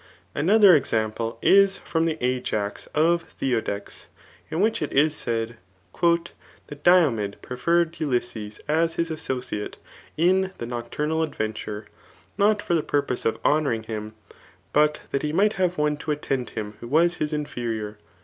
Another example is from the Ajax .of Theodectes, in which it is said, ^^ That Diom'ed preferred Ulysses [as his associate in the noG* tumal adventure,] not for the purpose of honouring him^ but that he might have one to attend him who was hit inferior."